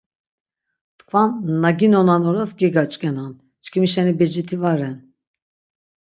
Tkvan na ginonan oras gegaç̆k̆enan, çkimi şeni beciti va ren.